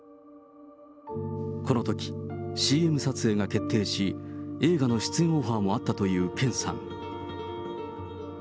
このとき、ＣＭ撮影が決定し、映画の出演オファーもあったという健さん。